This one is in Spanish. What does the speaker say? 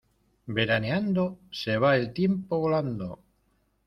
Veraneando, se va el tiempo volando.